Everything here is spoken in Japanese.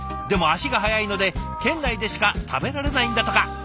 でも足が早いので県内でしか食べられないんだとか。